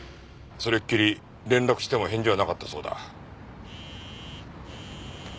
それっきり連絡しても返事はなかったそうだ。